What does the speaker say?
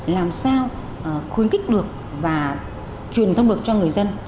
làm sao khuyến khích được và truyền thông được cho người dân